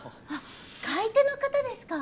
買い手の方ですか？